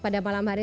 pada malam hari ini